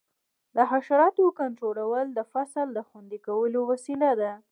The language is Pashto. د حشراتو کنټرول د فصل د خوندي کولو وسیله ده.